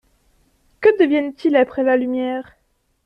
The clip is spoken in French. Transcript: Que deviennent-ils après la lumière?